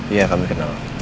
iya kami kenal